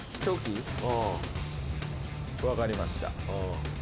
分かりました。